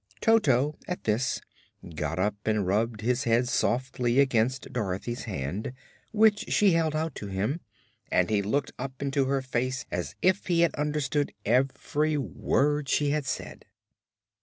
Toto, at this, got up and rubbed his head softly against Dorothy's hand, which she held out to him, and he looked up into her face as if he had understood every word she had said.